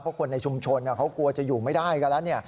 เพราะคนในชุมชนเขากลัวจะอยู่ไม่ได้กันแล้ว